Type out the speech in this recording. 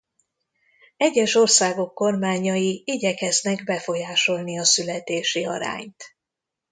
Egyes országok kormányai igyekeznek befolyásolni a születési arányt.